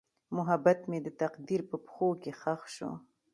محبت مې د تقدیر په پښو کې ښخ شو.